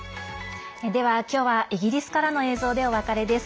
では、今日はイギリスからの映像でお別れです。